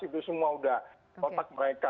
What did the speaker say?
itu semua sudah otak mereka